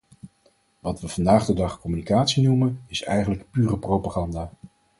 Wat we vandaag de dag communicatie noemen, is eigenlijk pure propaganda.